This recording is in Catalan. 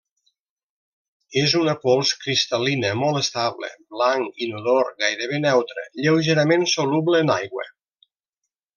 És una pols cristal·lina molt estable, blanc, inodor, gairebé neutre, lleugerament soluble en aigua.